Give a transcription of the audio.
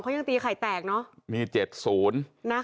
๕๒เขายังตีไข่แตกเนาะ